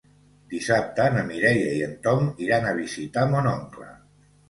Dissabte na Mireia i en Tom iran a visitar mon oncle.